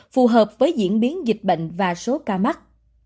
phù hợp với diễn biến dịch bệnh và số ca mắc